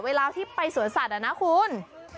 เวลาที่ไปสวนสัตว์นะคุณ